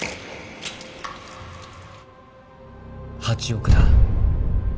８億だ。